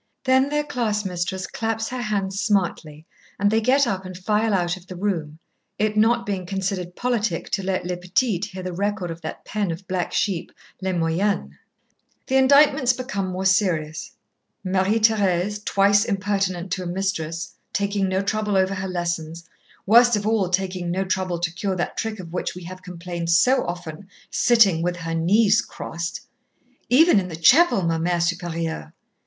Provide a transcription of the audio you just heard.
Then their class mistress claps her hands smartly and they get up and file out of the room, it not being considered politic to let les petites hear the record of that pen of black sheep, les moyennes. The indictments become more serious. Marie Thérèse, twice impertinent to a mistress, taking no trouble over her lessons, worst of all, taking no trouble to cure that trick of which we have complained so often sitting with her knees crossed. "Even in the chapel, Ma Mère Supérieure."